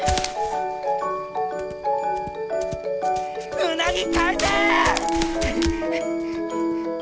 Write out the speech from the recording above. うなぎ返せ！